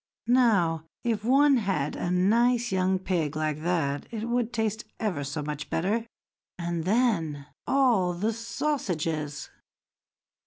Now, if one had a nice young pig like that, it would taste ever so much better; and then, all the sausages!"